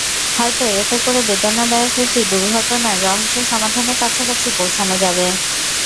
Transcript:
হয়তো এতে করে বেদনাদায়ক একটি দুর্ঘটনার রহস্য সমাধানের কাছাকাছি পৌঁছানো যাবে।